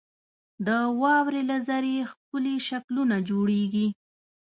• د واورې له ذرې ښکلي شکلونه جوړېږي.